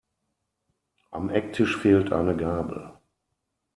Am Ecktisch fehlt eine Gabel.